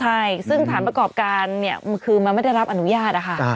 ใช่ซึ่งฐานประกอบการเนี่ยคือมันไม่ได้รับอนุญาตนะคะ